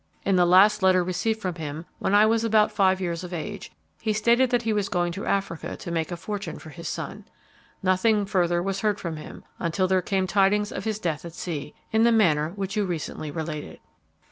"In the last letter received from him, when I was about five years of age, he stated that he was going to Africa to make a fortune for his son. Nothing further was heard from him until there came tidings of his death at sea, in the manner which you recently related.